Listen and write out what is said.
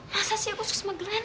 masa sih aku susah sama glenn